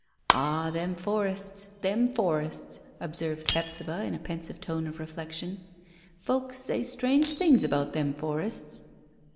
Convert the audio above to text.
"Ah, them forests them forests," observed Hephzibah, in a pensive tone of reflection. "Folks says strange things about them forests."